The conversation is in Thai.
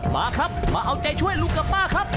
มาครับมาเอาใจช่วยลุงกับป้าครับ